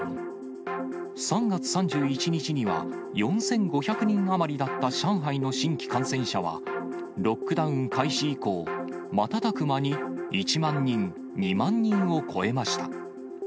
３月３１日には、４５００人余りだった上海の新規感染者は、ロックダウン開始以降、瞬く間に１万人、２万人を超えました。